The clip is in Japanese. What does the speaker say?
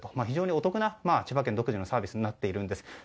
非常にお得な千葉県独自のサービスとなっているんです。